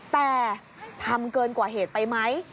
แต่ทำเกินกว่าเหตุไปไหม